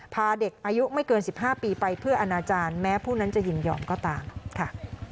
พาเด็กอายุไม่เกิน๑๕ปีไปเพื่ออนาจารย์แม้ผู้นั้นจะยินยอมก็ตามค่ะ